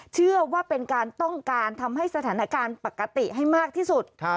เชื่อว่าเป็นการต้องการทำให้สถานการณ์ปกติให้มากที่สุด